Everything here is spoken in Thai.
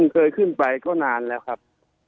เคยขึ้นไปก็นานแล้วครับ